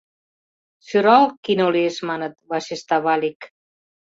Сӧрал кино лиеш, маныт, — вашешта Валик.